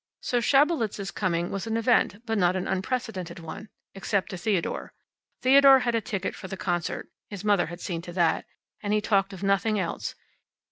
So Schabelitz's coming was an event, but not an unprecedented one. Except to Theodore. Theodore had a ticket for the concert (his mother had seen to that), and he talked of nothing else.